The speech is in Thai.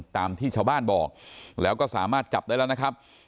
ตามที่ชาวบ้านบอกแล้วก็สามารถจับได้แล้วนะครับ